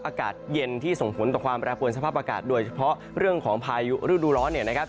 อากาศเย็นที่ส่งผลต่อความแปรปวนสภาพอากาศโดยเฉพาะเรื่องของพายุฤดูร้อนเนี่ยนะครับ